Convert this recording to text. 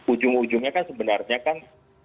ujung ujungnya kan sebenarnya kan